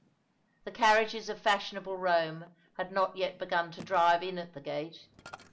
The carriages of fashion able Rome had not yet begun to drive in at ^the gate.